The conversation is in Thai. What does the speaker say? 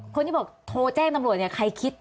คนที่บอกโทรแจ้งตำรวจเนี่ยใครคิด